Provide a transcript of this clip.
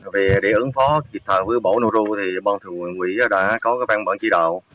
về để ứng phó kịp thời với bổ nổ ru thì bọn thường quỹ đã có các ban bản chỉ đạo